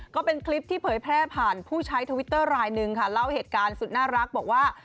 ก็เป็นคลิปที่เผยแพร่ผ่านผู้ใช้ทวิตเตอร์รายหนึ่งค่ะเล่าเหตุการณ์สุดน่ารักบอกว่า